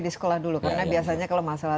di sekolah dulu karena biasanya kalau masalah